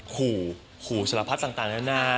ขู่ขู่สารพัดต่างนานา